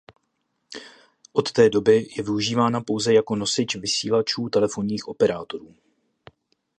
Od té doby je využívána pouze jako nosič vysílačů telefonních operátorů.